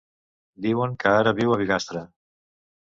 Diuen que ara viu a Bigastre.